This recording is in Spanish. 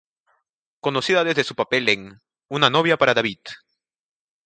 Conocida desde su papel en "Una Novia para David".